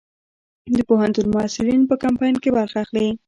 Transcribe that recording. د پوهنتون محصلین په کمپاین کې برخه اخلي؟